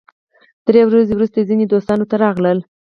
درې ورځې وروسته ځینې دوستان ورته راغلل.